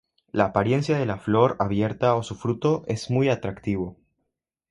La apariencia de la flor abierta o su fruto es muy atractivo.